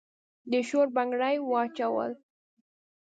د شور بنګړي واچول